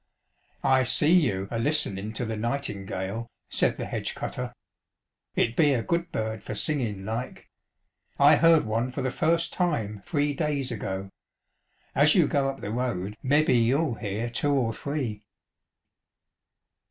" I see you a listenin' to the nightingale," said the hedge cutter, " it be a good bird for singin' like. I heard one for the first time three days ago. As you go up the road mebbe you'll hear two or three."